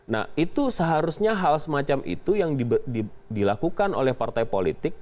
nah itu seharusnya hal semacam itu yang dilakukan oleh partai politik